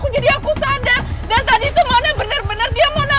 jangan sembuh dari lu